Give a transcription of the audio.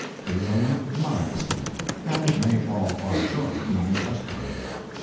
It is only my estimate, and it may fall far short of being a just one.